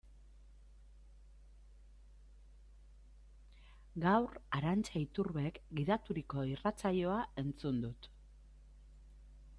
Gaur Arantxa Iturbek gidaturiko irratsaioa entzun dut.